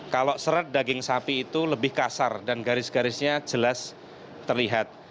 kalau serat daging sapi itu lebih kasar dan garis garisnya jelas terlihat